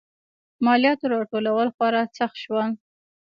مالیاتو راټولول خورا سخت شول.